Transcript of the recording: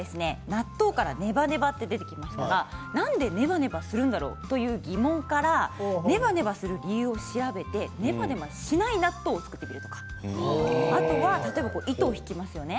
納豆からネバネバと出てきましたけどなんでネバネバするんだろうという疑問からネバネバする理由を調べてネバネバしない納豆を作ってみるとか糸を引きますよね